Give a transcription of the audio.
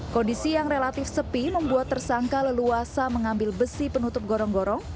kondisi yang relatif sepi membuat tersangka leluasa mengambil besi penutup gorong gorong